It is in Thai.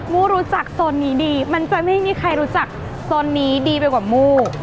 มู้รู้จักโซนนี้ดีมันจะไม่มีใครรู้จักโซนนี้ดีไปกว่ามู